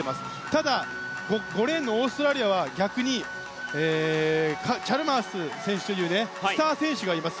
ただ５レーンのオーストラリアは逆にチャルマース選手というスター選手がいます。